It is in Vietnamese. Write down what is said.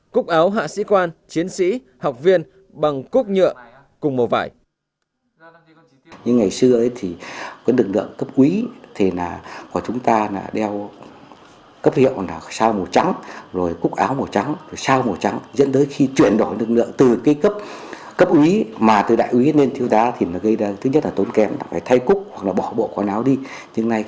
cúc áo hạ sĩ quan chiến sĩ học viên bằng cúc nhựa